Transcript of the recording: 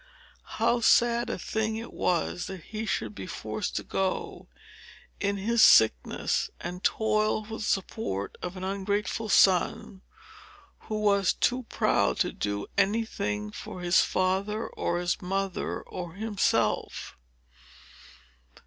How sad a thing it was, that he should be forced to go, in his sickness, and toil for the support of an ungrateful son, who was too proud to do any thing for his father, or his mother, or himself!